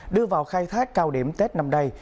đưa vào khai thác cao điểm tết năm nay